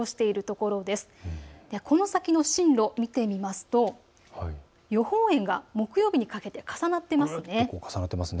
この先の進路、見てみますと予報円が木曜日にかけて重なってますね。